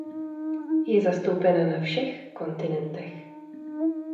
Je zastoupena na všech kontinentech.